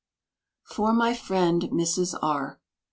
FOR MY FRIEND MRS. R.